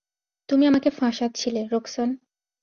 তুমি আমাকে ফাঁসাচ্ছিলে, রোক্সান!